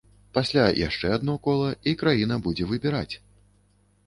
Пасля яшчэ адно кола, і краіна будзе выбіраць.